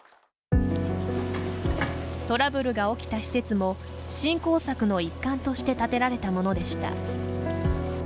トラブルが起きた施設も振興策の一環として建てられたものでした。